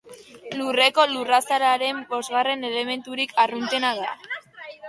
Lurreko lurrazalaren bosgarren elementurik arruntena da.